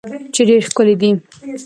چې ډیر ښکلی دی